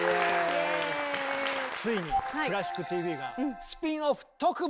ついに「クラシックＴＶ」がスピンオフ特番！